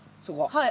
はい。